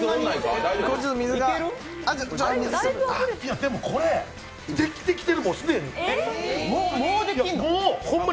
でも、これできてきてる、もう既に。